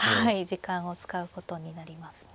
時間を使うことになりますね。